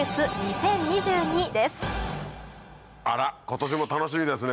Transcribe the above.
あら今年も楽しみですね